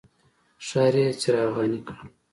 ښار یې څراغاني کړ.